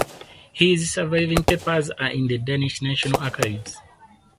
His surviving papers are in the Danish National Archives.